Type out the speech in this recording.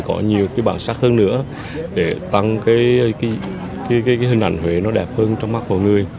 có nhiều cái bản sắc hơn nữa để tăng cái hình ảnh huế nó đẹp hơn trong mắt mọi người